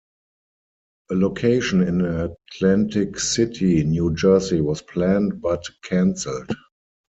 A location in Atlantic City, New Jersey was planned but canceled.